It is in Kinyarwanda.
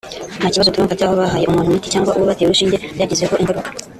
nta kibazo turumva cyaho bahaye umuntu umuti cyangwa uwo bateye urushinge byagizeho ingaruka